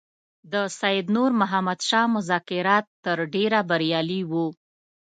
د سید نور محمد شاه مذاکرات تر ډېره بریالي وو.